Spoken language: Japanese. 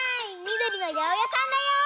みどりのやおやさんだよ。